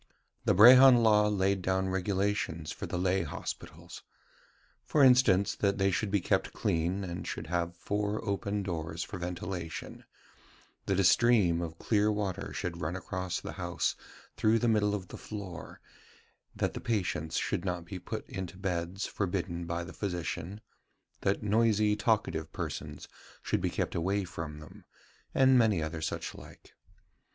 The Brehon Law laid down regulations for the lay hospitals: for instance, that they should be kept clean, and should have four open doors for ventilation, that a stream of clear water should run across the house through the middle of the floor, that the patients should not be put into beds forbidden by the physician, that noisy talkative persons should be kept away from them; and many other such like.